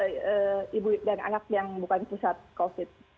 dari ibu dan anak yang bukan pusat covid